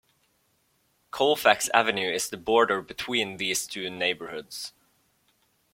Colfax Avenue is the border between these two neighborhoods.